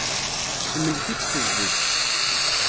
Temlek-itt tezdeg.